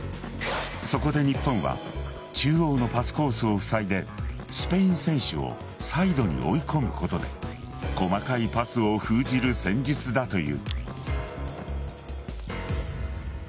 そこで日本は中央のパスコースをふさいでスペイン選手をサイドに追い込むことで細かいパスを封じる戦術だという。